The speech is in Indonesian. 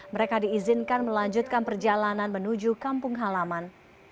mereka diizinkan melanjutkan perjalanan menuju kampung halaman